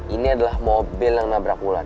ini adalah mobil yang nabrak wulan